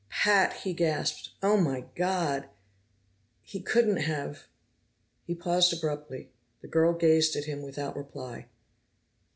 "Pat!" he gasped. "Oh, my God! He couldn't have " He paused abruptly. The girl gazed at him without reply.